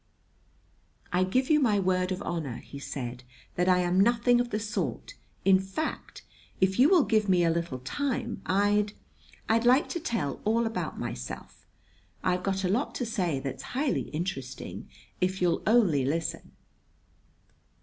"I give you my word of honor," he said, "that I am nothing of the sort; in fact, if you will give me a little time I'd I'd like to tell all about myself. I've got a lot to say that's highly interesting, if you'll only listen."